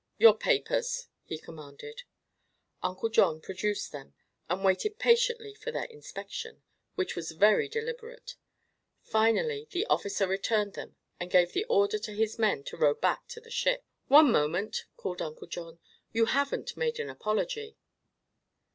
"Your papers!" he commanded. Uncle John produced them and waited patiently for their inspection, which was very deliberate. Finally the officer returned them and gave the order to his men to row back to the ship. "One moment!" called Uncle John. "You haven't made the apology."